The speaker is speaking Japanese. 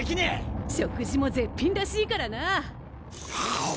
食事も絶品らしいからな！